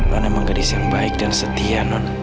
noon emang gadis yang baik dan setia noon